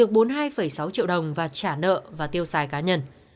nguyên đã trả nợ và tiêu xài cá nhân